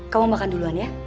kamu makan duluan ya